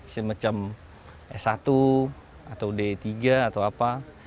semacam s satu atau d tiga atau apa